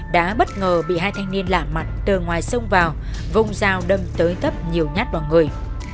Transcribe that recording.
đã bất ngờ bị hai thanh niên lạ mặt từ ngoài sông vào vùng rào đâm tới tấp nhiều nhát bọn người